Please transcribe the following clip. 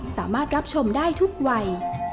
สามารถรับชมได้ทุกวัย